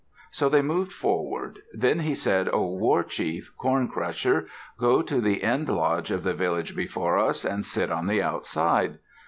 So they moved forward. Then he said, "O war chief Corn Crusher, go to the end lodge of the village before us, and sit on the outside."